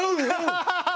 ハハハハ！